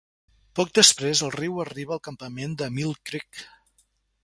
Poc després el riu arriba al campament Emile Creek.